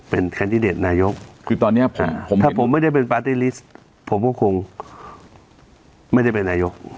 เป็นคันดิเดตนายกถ้าผมไม่ได้เป็นปาร์ตี้ลิสต์ผมก็คงไม่ได้เป็นนายก